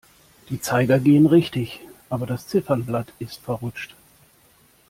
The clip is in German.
Die Zeiger gehen richtig, aber das Ziffernblatt ist verrutscht.